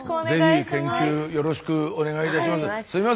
ぜひ研究よろしくお願いいたします。